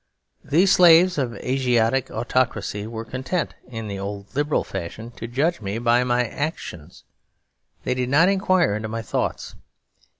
These slaves of Asiatic autocracy were content, in the old liberal fashion, to judge me by my actions; they did not inquire into my thoughts.